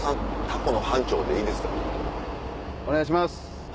お願いします。